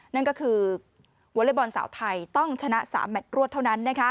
นั่นก็คือวอเล็กบอลสาวไทยต้องชนะ๓แมทรวดเท่านั้น